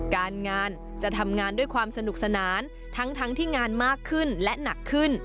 การงานจะทำงานด้วยความสนุกสนานทั้งที่งานมากขึ้นและหนักขึ้น